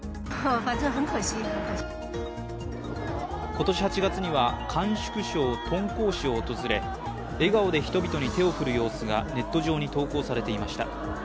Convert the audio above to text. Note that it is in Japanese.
今年８月には甘粛省敦煌市を訪れ笑顔で人々に手を振る様子がネット上に投稿されていました。